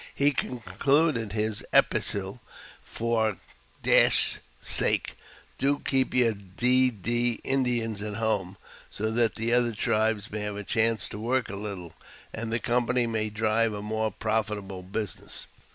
He concluded his epistle, " For 's sake, do keep your d — d Indians at home, so that the other tribes may have chance to work a little, and the company may drive a moro' profitable business."